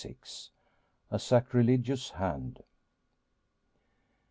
A SACRILEGIOUS HAND.